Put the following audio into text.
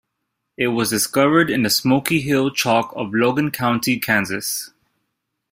It was discovered in the Smoky Hill Chalk of Logan County, Kansas.